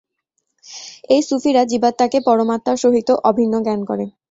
এই সুফীরা জীবাত্মাকে পরমাত্মার সহিত অভিন্ন জ্ঞান করে।